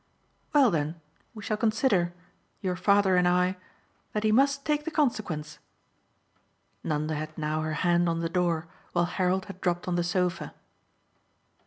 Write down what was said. "Well then, we shall consider your father and I that he must take the consequence." Nanda had now her hand on the door, while Harold had dropped on the sofa.